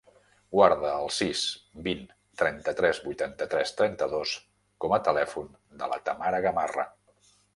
Guarda el sis, vint, trenta-tres, vuitanta-tres, trenta-dos com a telèfon de la Tamara Gamarra.